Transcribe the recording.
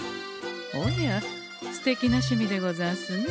おやすてきな趣味でござんすね。